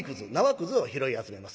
くずを拾い集めます。